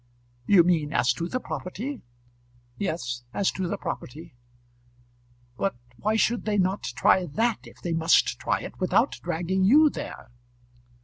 "You mean as to the property?" "Yes; as to the property." "But why should they not try that, if they must try it, without dragging you there?"